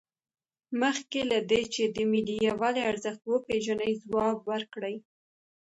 مخکې له دې چې د ملي یووالي ارزښت وپیژنئ ځواب ورکړئ.